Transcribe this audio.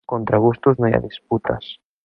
Contra gustos no hi ha disputes